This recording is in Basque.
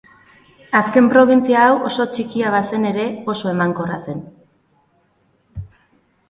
Azken probintzia hau, oso txikia bazen ere, oso emankorra zen.